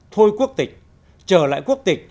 thôi quốc tịch trở lại quốc tịch